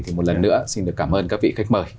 thì một lần nữa xin được cảm ơn các vị khách mời